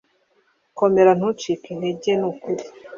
komera ntucike intege nukuri